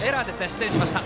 失礼しました。